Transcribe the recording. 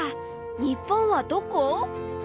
日本はどこ？